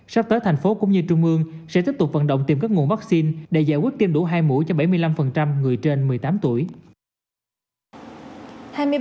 sắp tới thành phố cũng như trung ương sẽ tiếp tục vận động tìm các nguồn vaccine để giải quyết tiêm đủ hai mũi cho bảy mươi năm người trên một mươi tám tuổi